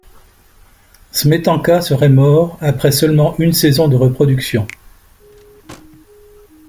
Smetanka serait mort après seulement une saison de reproduction.